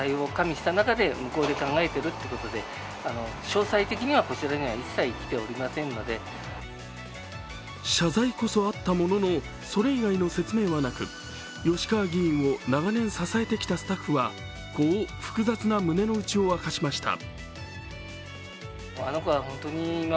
自分たちにも説明がないという秘書は謝罪こそあったものの、それ以外の説明はなく吉川議員を長年支えてきたスタッフはこう複雑な胸のうちを明かしました。